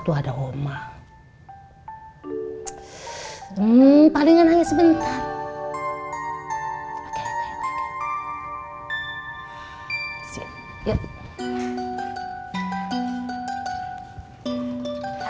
tuh ada oma mp tiga nganyis bentar oke siap yuk